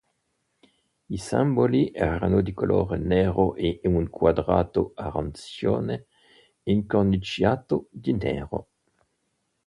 I simboli erano di colore nero in un quadrato arancione incorniciato di nero.